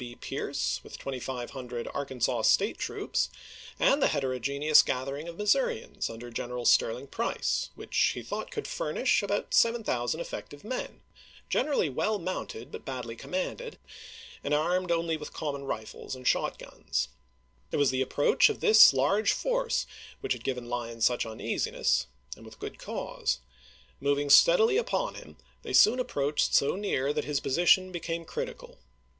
B. Pearce, with 2500 Arkansas State troops, and the heterogeneous gathering of Missourians under General Sterling Price, which he thought could furnish about 7000 effective men, generally well mounted, but badly commanded, and armed only with common rifles mcCuiiocIi and shotguns. It was the approach of this large juiy m^' force which had given Lyon such uneasiness, and voi. iii., '°"^ "p. 622. With good cause. Moving steadily upon him, they soon approached so near that his position became critical.